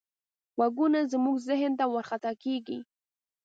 غږونه زموږ ذهن ته ورخطا کېږي.